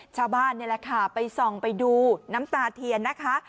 ชาวบ้านไปซองไปดูน้ำตาเทียนนะคะ